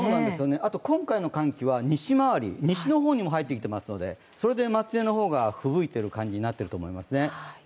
あと、今回の寒気は西回り、西の方にも入ってきていますので、それで松江の方がふぶいている感じになっていると思いますね。